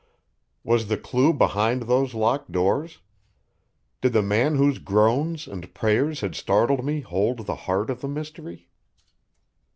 Was the clue behind those locked doors? Did the man whose groans and prayers had startled me hold the heart of the mystery?